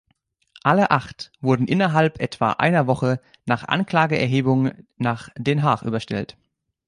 Alle acht wurden innerhalb etwa einer Woche nach Anklageerhebung nach Den Haag überstellt.